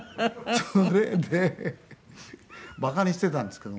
それで馬鹿にしていたんですけども。